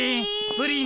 プリン。